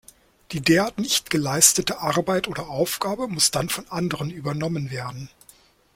Die derart nicht geleistete Arbeit oder Aufgabe muss dann von anderen übernommen werden.